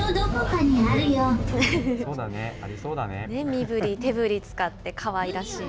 身ぶり手ぶり使ってかわいらしい。